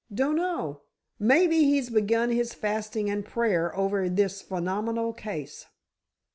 "Dunno. Maybe he's begun his fasting and prayer over this phenomenal case."